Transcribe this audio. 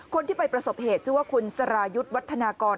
คนที่ไปประสบเหตุชื่อว่าคุณสรายุทธ์วัฒนากร